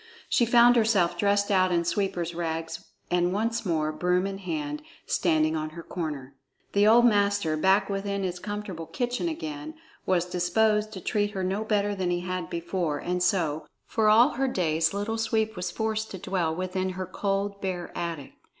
She found herself dressed out in sweeper's rags, and once more, broom in hand, standing on her corner. The old master, back within his comfortable kitchen again, was disposed to treat her no better than he had before; and so, for all her days, Little Sweep was forced to dwell within her cold, bare attic.